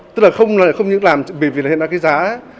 tức là không những làm bởi vì là hiện nay cái giá